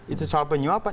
itu soal penyuapan